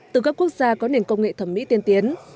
từ các quốc gia có nền công nghệ thẩm mỹ tiên tiến